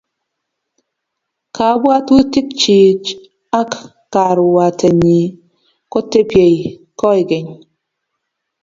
kabwotutikchich ak karwatenyin kotebiei koikeny